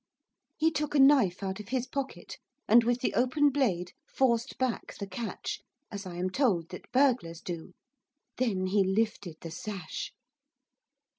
He took a knife out of his pocket, and, with the open blade, forced back the catch, as I am told that burglars do. Then he lifted the sash.